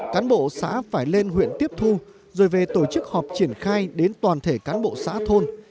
cán bộ xã phải lên huyện tiếp thu rồi về tổ chức họp triển khai đến toàn thể cán bộ xã thôn